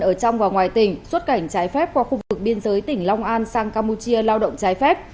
ở trong và ngoài tỉnh xuất cảnh trái phép qua khu vực biên giới tỉnh long an sang campuchia lao động trái phép